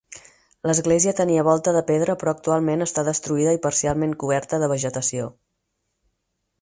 L'església tenia volta de pedra però actualment està destruïda i parcialment coberta de vegetació.